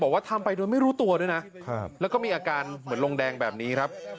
ทำไปโดยไม่รู้ตัวด้วยนะแล้วก็มีอาการเหมือนลงแดงแบบนี้ครับ